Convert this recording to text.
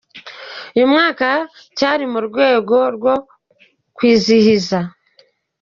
Uyu mwaka, cyari mu rwego rwo kwizihiza.